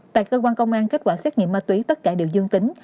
tại cơ quan công an kết quả xét nghiệm ma túy tất cả đều dương tính